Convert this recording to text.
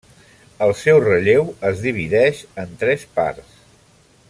El seu relleu es divideix en tres parts.